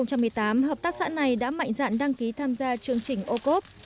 năm hai nghìn một mươi tám hợp tác xã này đã mạnh dạn đăng ký tham gia chương trình ô cốp